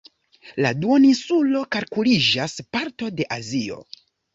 La duoninsulo kalkuliĝas parto de Azio.